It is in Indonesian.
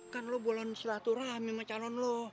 kan lo bolon selatu rahmi sama calon lo